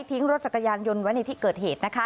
รถจักรยานยนต์ไว้ในที่เกิดเหตุ